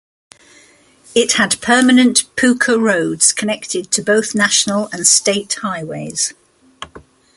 It had permanent pucca roads connected to both national and state highways.